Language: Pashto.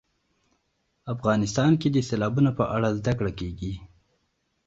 افغانستان کې د سیلابونه په اړه زده کړه کېږي.